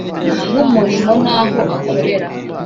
w umurimo n aho akorera